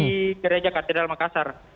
di gereja katedral makassar